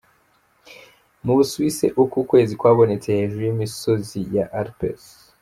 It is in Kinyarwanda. Mu Buswisse uko kwezi kwabonetse hejuru y'imisozi ya Alpes.